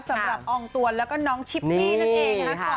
สำหรับองตัวนแล้วก็น้องชิปปี้นั่นเอง